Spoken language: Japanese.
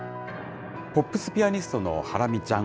ポップスピアニストのハラミちゃん。